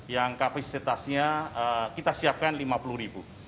yang kapasitasnya kita siapkan lima puluh ribu